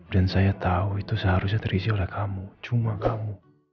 dan saya tahu itu seharusnya terisi oleh kamu cuma kamu